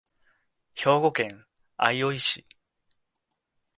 兵庫県相生市